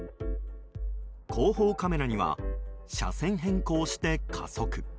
後方カメラには車線変更して加速。